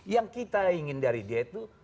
yang kita ingin dari dia itu